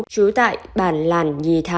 chú tại bản làn nhì thàn